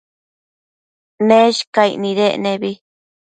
Neshcaic nidec nebi